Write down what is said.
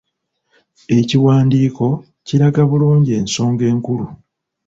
Ekiwandiiko kiraga bulungi ensonga enkulu.